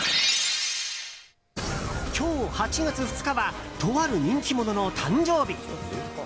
今日８月２日はとある人気者の誕生日！